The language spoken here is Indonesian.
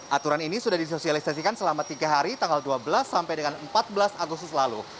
aturan ini sudah disosialisasikan selama tiga hari tanggal dua belas sampai dengan empat belas agustus lalu